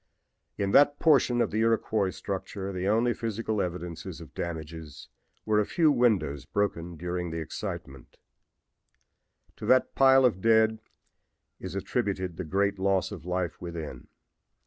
In that portion of the Iroquois structure the only physical evidences of damages were a few windows broken during the excitement. EXITS WERE CHOKED WITH BODIES. "To that pile of dead is attributed the great loss of life within.